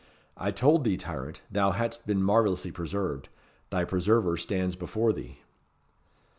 I told thee, tyrant, thou hadst been marvellously preserved. Thy preserver stands before thee."